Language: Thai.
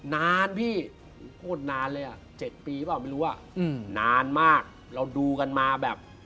นานพี่พูดนานเลยอ่ะ๗ปีเปล่าไม่รู้อ่ะอืมนานมากเราดูกันมาแบบ